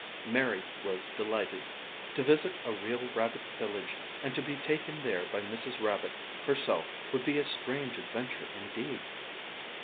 Mary was delighted. To visit a real rabbit village and to be taken there by Mrs. Rabbit, herself, would be a strange adventure, indeed.